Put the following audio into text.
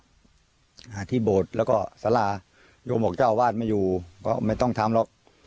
อ่าที่โบสถ์แล้วก็สารมบอกเจ้าอาวาสไม่อยู่ก็ไม่ต้องทำหรอก